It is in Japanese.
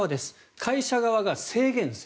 会社側が制限する。